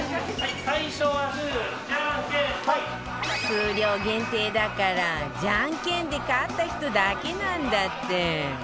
数量限定だからジャンケンで勝った人だけなんだって